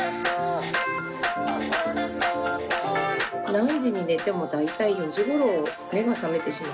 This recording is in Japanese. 何時に寝ても大体４時ごろ目が覚めてしまって。